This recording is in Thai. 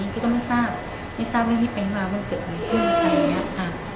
พี่ก็ไม่ทราบไม่ทราบเรื่องที่ไปมาว่ามันเกิดอะไรขึ้นอะไรอย่างนี้ค่ะ